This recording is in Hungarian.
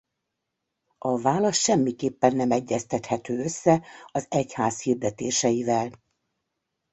A válasz semmiképpen nem egyeztethető össze az egyház hirdetéseivel.